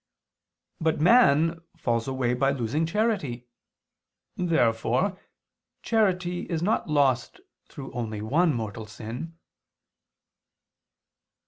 But man falls away by losing charity. Therefore charity is not lost through only one mortal sin.